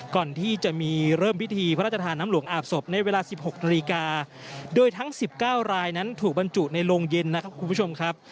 ก่อนที่จะมีเริ่มพิธีพระราชทานน้ำหลวงอาบศพในเวลาสิบหกนาฬิกาโดยทั้ง๑๙รายนั้นถูกบรรจุในโรงเย็นนะครับคุณผู้ชมครับ